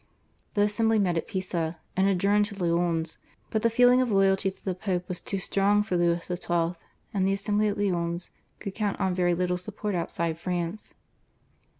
The assembly met at Pisa and adjourned to Lyons, but the feeling of loyalty to the Pope was too strong for Louis XII., and the assembly at Lyons could count on very little support outside France.